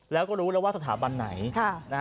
แล้วก็รู้แล้วว่าสถาบันไหน